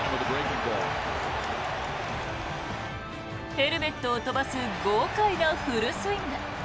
ヘルメットを飛ばす豪快なフルスイング。